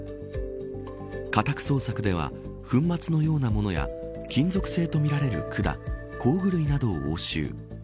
家宅捜索では粉末のようなものや金属性とみられる管工具類などを押収。